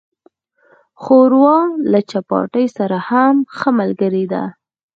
ښوروا له چپاتي سره هم ښه ملګری ده.